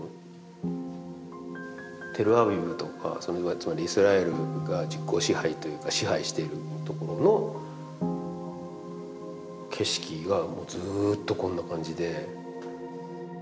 つまりイスラエルが実効支配というか支配しているところの景色がずっとこんな感じで。